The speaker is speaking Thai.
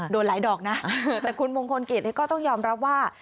โดนหลายดอกนะแต่คุณมงคลกิจก็ต้องยอมรับว่า